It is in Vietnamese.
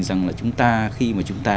rằng là chúng ta khi mà chúng ta